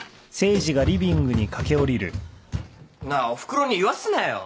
なあおふくろに言わすなよ。